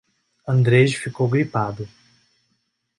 Andrej ficou gripado.